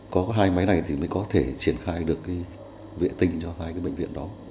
có hai máy này thì mình có thể triển khai được vệ tinh cho hai bệnh viện đó